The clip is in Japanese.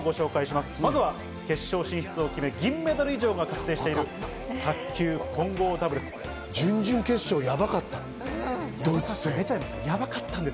まずは決勝進出を決め、銀メダル以上が確定している卓球混合ダブルスです。